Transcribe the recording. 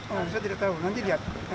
oh bisa tidak tahu nanti lihat